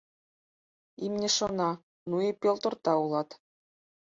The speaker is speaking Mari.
Имне шона: «Ну и пелторта улат...